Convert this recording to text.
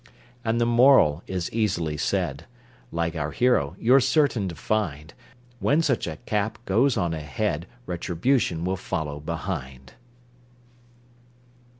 And The Moral is easily said: Like our hero, you're certain to find, When such a cap goes on a head, Retribution will follow behind!